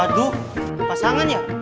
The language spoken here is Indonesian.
aduh pasangan ya